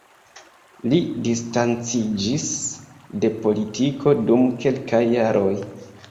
Li distanciĝis de politiko dum kelkaj jaroj.